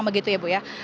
memang begitu ya ibu ya